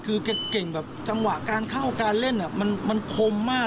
คือแกเก่งแบบจังหวะการเข้าการเล่นมันคมมาก